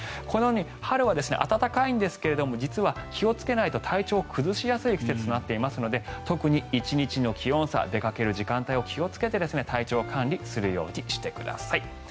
このように春は暖かい季節ですが実は、気をつけないと体調を崩しやすい季節となっていますので特に１日の気温差出かける時間帯を気をつけて体調管理するようにしてください